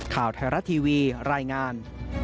ข่าวไทยรัฐทีวีรายงาน